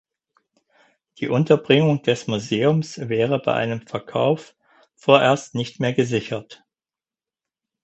Die Unterbringung des Museums wäre bei einem Verkauf vorerst nicht mehr gesichert.